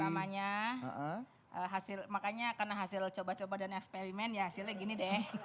ya saya budi anak pertamanya hasil makanya karena hasil coba coba dan eksperimen ya hasilnya gini deh